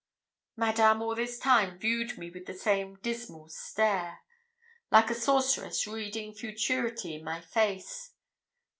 Madame all this time viewed me with the same dismal stare, like a sorceress reading futurity in my face.